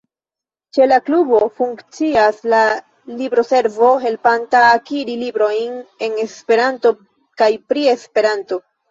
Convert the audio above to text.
Ĉe la klubo funkcias la libroservo, helpanta akiri librojn en Esperanto kaj pri Esperanto.